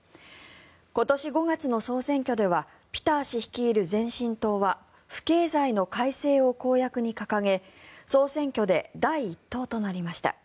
今年５月の総選挙ではピター氏率いる前進党は不敬罪の改正を公約に掲げ総選挙で第１党となりました。